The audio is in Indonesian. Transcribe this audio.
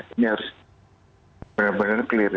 ini harus benar benar clear